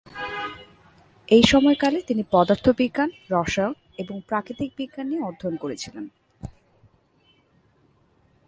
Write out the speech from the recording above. এই সময়কালে, তিনি পদার্থবিজ্ঞান, রসায়ন, এবং প্রাকৃতিক বিজ্ঞান নিয়ে অধ্যয়ন করেছিলেন।